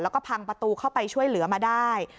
แล้วก็พังประตูเข้าไปช่วยเหลือมาได้